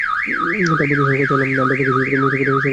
সরকার চাইলে আমরা প্যাকেজ মূসক আদায় করে সরকারের কাছে দিয়ে আসব।